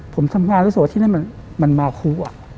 ผมทำงานรู้สึกว่าที่นั่นมันมาคู่